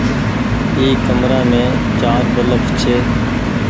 اي ڪمرآ مين چآر بلڦ ڇي۔